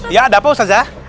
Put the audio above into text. ya ada apa ustadzah